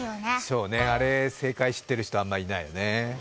そうね、あれ、正解知ってる人あんまりいないよね。